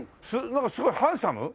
なんかすごいハンサム？